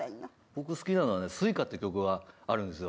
僕好きなのはね『酔歌』って曲があるんですよ。